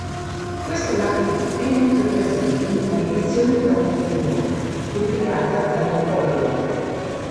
Questo lato B è inoltre presente in una edizione promo italiana, pubblicata dalla Polydor.